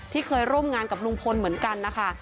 เคยร่วมงานกับลุงพลเหมือนกันนะคะ